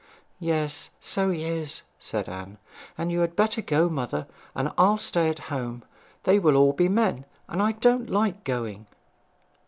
'Yes, so he is,' said Anne. 'And you had better go, mother; and I'll stay at home. They will be all men; and I don't like going.'